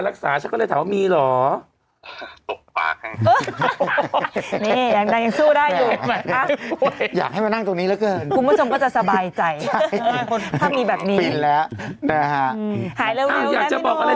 ไม่ได้หายไปไหนก็พอพอดิมันป่วยอะไรอย่างนี้